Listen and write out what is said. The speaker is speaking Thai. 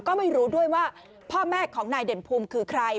ก็ไม่รู้ด้วยว่าพ่อแม่ของนายเด่นภูมิคือใคร